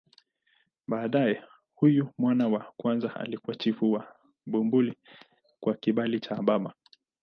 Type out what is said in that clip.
Baadaye huyu mwana wa kwanza alikuwa chifu wa Bumbuli kwa kibali cha baba.